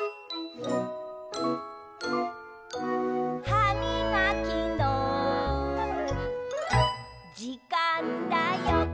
「はみがきのじかんだよ！」